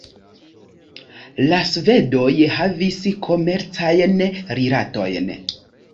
La svedoj havis komercajn rilatojn.